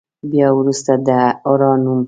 بیا وروسته د حرا نوم.